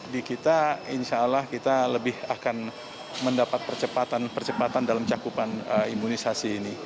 di kita insya allah kita lebih akan mendapat percepatan percepatan dalam cakupan imunisasi ini